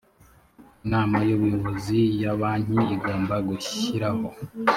inama y ubuyobozi ya banki igomba gushyiraho